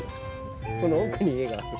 この奥に家がある。